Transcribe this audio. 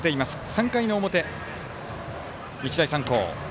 ３回の表、日大三高。